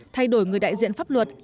thay đổi người đại diện pháp luật